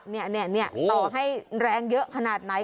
ต่อให้แรงเยอะขนาดไหน